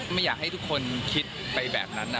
ไม่อยากให้ทุกคนคิดไปแบบนั้น